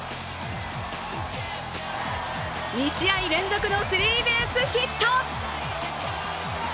２試合連続のスリーベースヒット。